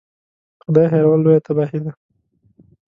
خدای هېرول لویه تباهي ده.